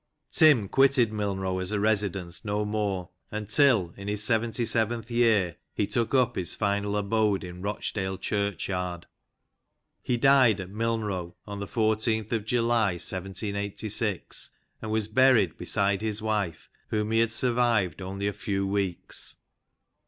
Tim quitted Milnrow as a residence no more, until, in his 77 th year, he took up his final abode in Rochdale Church yard. He died at Milurow, on the 14th of July 1786, and was buried beside his wife, whom he had survived only a few weeks.